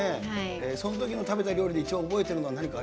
そのときの食べた料理で一番、覚えているのは？